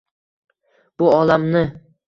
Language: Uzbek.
Bu olamni